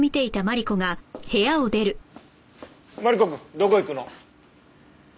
マリコくんどこ行くの？